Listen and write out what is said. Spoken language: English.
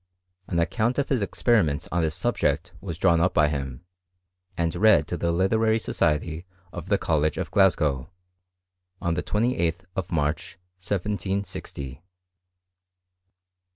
An account of his experiments on this subject was drawn up by him, and read to the literary society of the College of Glasgow, on the 28th of March, 1760. Dr.